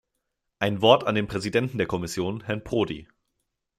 Ein Wort an den Präsidenten der Kommission, Herrn Prodi.